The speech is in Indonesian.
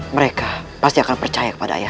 mereka pasti akan percaya kepada ayah